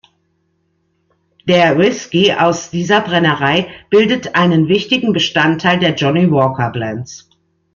Der Whisky aus dieser Brennerei bildet einen wichtigen Bestandteil der "Johnnie Walker" Blends.